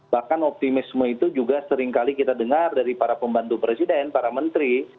bahkan optimisme itu juga seringkali kita dengar dari para pembantu presiden para menteri